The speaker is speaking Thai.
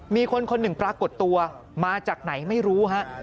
มีคนคนหนึ่งปรากฏตัวมาจากไหนไม่รู้ฮะ